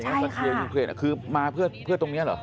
ใช่ค่ะคือมาเพื่อตรงนี้เหรอ